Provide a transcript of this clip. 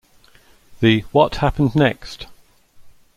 The What Happened Next?